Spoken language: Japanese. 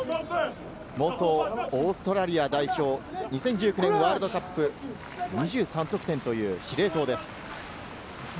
元オーストラリア代表、２０１９年のワールドカップで２３得点という司令塔です。